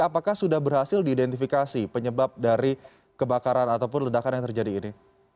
apakah sudah berhasil diidentifikasi penyebab dari kebakaran ataupun ledakan yang terjadi ini